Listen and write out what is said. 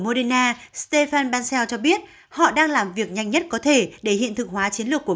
moderna stefan banseo cho biết họ đang làm việc nhanh nhất có thể để hiện thực hóa chiến lược của